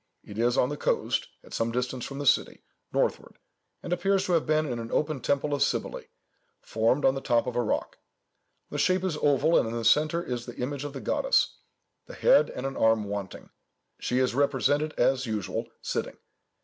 It is on the coast, at some distance from the city, northward, and appears to have been an open temple of Cybele, formed on the top of a rock. The shape is oval, and in the centre is the image of the goddess, the head and an arm wanting. She is represented, as usual, sitting.